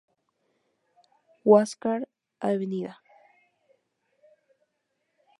Huáscar, Av.